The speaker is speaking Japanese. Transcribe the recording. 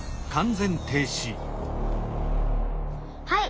はい。